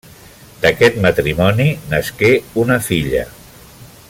D'aquest matrimoni nasqué una filla.